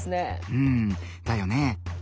うんだよね。